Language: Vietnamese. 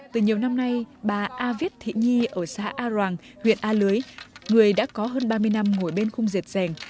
từ nhiều năm nay bà a viết thị nhi ở xã a ràng huyện a lưới người đã có hơn ba mươi năm ngồi bên khung dệt dàng